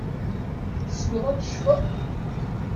Tessneḍ ad tecfeḍ?